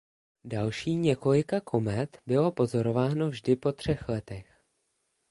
Další několika komet bylo pozorováno vždy po třech letech.